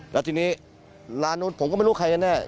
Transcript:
แล้วทีนี้ร้านนู้นผมก็ไม่รู้ใครกันแน่